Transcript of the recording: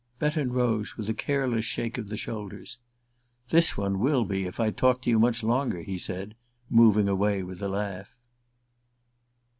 Betton rose with a careless shake of the shoulders. "This one will be if I talk to you much longer," he said, moving away with a laugh.